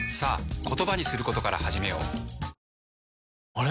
あれ？